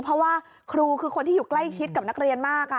เพราะว่าครูคือคนที่อยู่ใกล้ชิดกับนักเรียนมาก